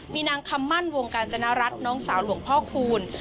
มีนางคำมั่นวงกาญจนรัฐน้องสาวหลวงพ่อคูณ